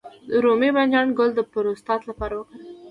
د رومي بانجان ګل د پروستات لپاره وکاروئ